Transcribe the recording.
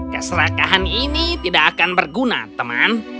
keserakahan ini tidak akan berguna teman